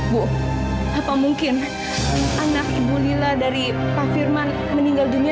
bu apa mungkin anak ibu lila dari pak firman meninggal dunia